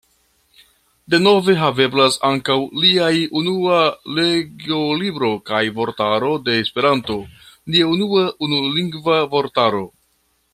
Denove haveblas ankaŭ liaj Unua legolibro kaj Vortaro de Esperanto, nia unua unulingva vortaro.